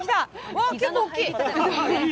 おっ結構大きい！